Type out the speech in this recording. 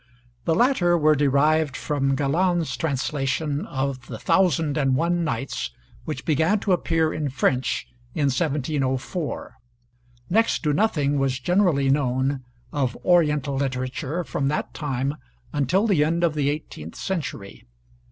The latter were derived from Galland's translation of the 'Thousand and One Nights,' which began to appear, in French, in 1704. Next to nothing was generally known of Oriental literature from that time until the end of the eighteenth century.